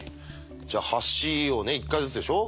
じゃあ橋をね１回ずつでしょ？